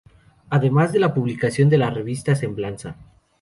Además de la publicación de la revista "Semblanza".